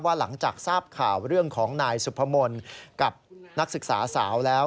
หลังจากทราบข่าวเรื่องของนายสุพมนต์กับนักศึกษาสาวแล้ว